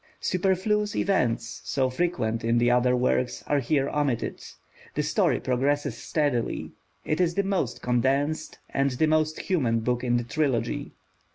Superfluous events, so frequent in the other works, are here omitted; the story progresses steadily; it is the most condensed and the most human book in the Trilogy.